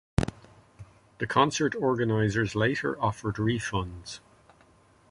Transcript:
The concert organisers later offered refunds.